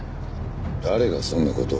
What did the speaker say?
誰がそんな事を。